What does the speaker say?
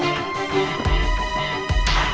lalu aku mau kemana